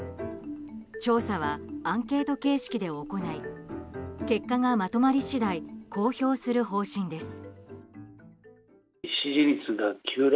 調査はアンケート形式で行い結果がまとまり次第公表する方針です。